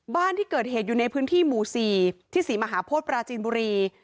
บ้านที่เกิดเหตุอยู่ในพื้นที่หมู่๔ที่ศรีมหาโพธิปราจีนบุรี